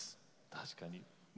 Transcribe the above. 確かに。